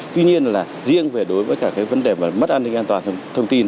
tuy nhiên là riêng về đối với các vấn đề mất an ninh an toàn thông tin